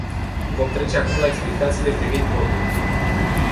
Vom trece acum la explicațiile privind votul.